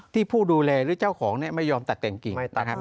ที่ผู้ดูแลหรือเจ้าของไม่ยอมตัดแต่งกิ่ง